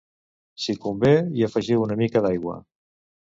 si convé, hi afegiu una mica d'aigua